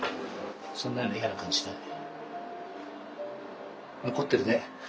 そんなに嫌な感じしない。